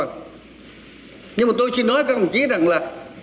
nhưng mà tôi chỉ nói các ông chỉ rằng là